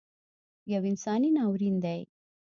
یو انساني ناورین دی